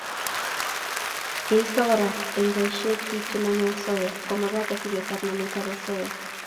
Keisto Kora eng boisiet bik chenomei osoya komagat asiketar nametab osoya